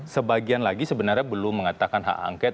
sebagian lagi sebenarnya belum mengatakan hak angket